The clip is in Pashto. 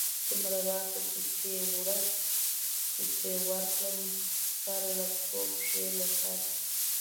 هومره راکړه چی پی ورک کړم، سر له پښو، پښی له سره